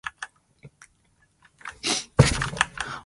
Operations on domain knowledge are performed by meta-knowledge.